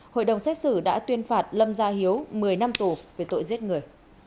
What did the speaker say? hội đồng xét xử đã tuyên phạt lâm gia hiếu một mươi năm tù về tội giết người